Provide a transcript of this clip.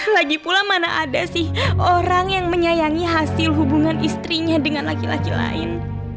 lagi pula mana ada sih orang yang menyayangi hasil hubungan istrinya dengan laki laki lain